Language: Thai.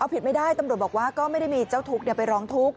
ผิดไม่ได้ตำรวจบอกว่าก็ไม่ได้มีเจ้าทุกข์ไปร้องทุกข์